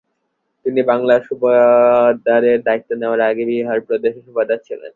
তিনি বাংলা সুবাদারের দায়িত্ব নেওয়ার আগে বিহার প্রদেশের সুবাদার ছিলেন।